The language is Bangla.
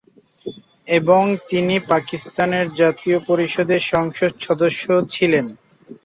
এবং তিনি পাকিস্তানের জাতীয় পরিষদে সংসদ সদস্যও ছিলেন।